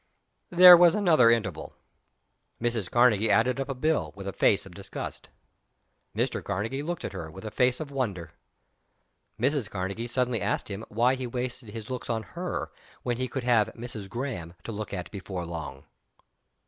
There was another interval. Mrs. Karnegie added up a bill, with a face of disgust. Mr. Karnegie looked at her with a face of wonder. Mrs. Karnegie suddenly asked him why he wasted his looks on her, when he would have "Mrs. Graham" to look at before long.